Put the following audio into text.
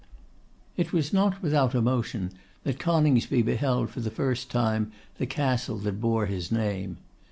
It was not without emotion that Coningsby beheld for the first time the castle that bore his name.